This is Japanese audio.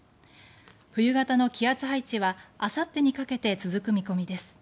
冬型の気圧配置はあさってにかけて続く見込みです。